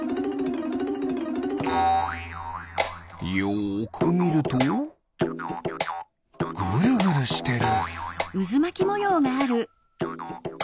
よくみるとぐるぐるしてる。